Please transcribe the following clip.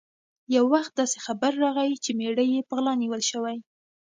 یو وخت داسې خبر راغی چې مېړه یې په غلا نیول شوی.